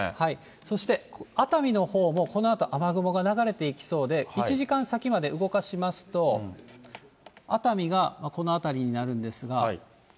そして熱海のほうも、このあと雨雲が流れていきそうで、１時間先まで動かしますと、熱海がこの辺りになるんですが。